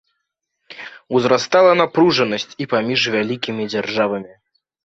Узрастала напружанасць і паміж вялікімі дзяржавамі.